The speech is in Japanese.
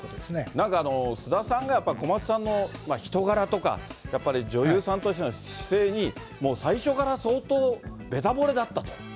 なんか、菅田さんが小松さんの人柄とか、やっぱり女優さんとしての姿勢に、最初から相当、べたぼれだったと。